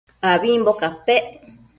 abimbo capec